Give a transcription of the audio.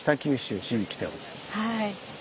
はい。